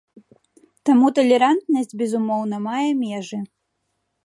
Таму талерантнасць безумоўна мае межы.